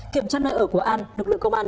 kiểm tra nơi ở của an lực lượng công an